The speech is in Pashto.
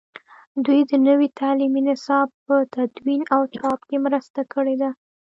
دوی د نوي تعلیمي نصاب په تدوین او چاپ کې مرسته کړې ده.